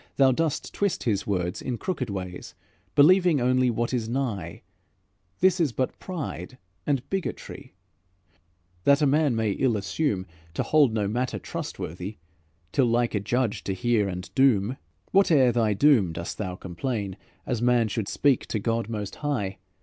Thou dost twist His words in crooked ways Believing only what is nigh; This is but pride and bigotry, That a good man may ill assume, To hold no matter trustworthy Till like a judge he hear and doom. "Whate'er thy doom, dost thou complain As man should speak to God most high?